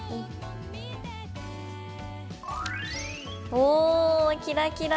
おキラキラ。